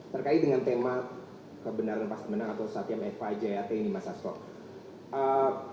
terkait dengan tema kebenaran pas menang atau satyam eva jayati ini mas asto